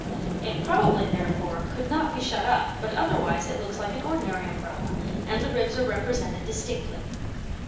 It probably, therefore, could not be shut up, but otherwise it looks like an ordinary Umbrella, and the ribs are represented distinctly.